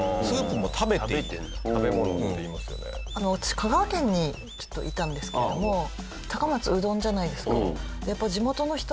香川県にちょっといたんですけれども高松うどんじゃないですか。